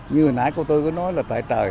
như hồi nãy cô tôi có nói là tại trời